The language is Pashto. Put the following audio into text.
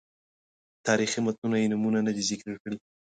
تاریخي متونو یې نومونه نه دي ذکر کړي.